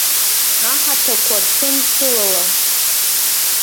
Аҳаҭақәа ҭәын шылала.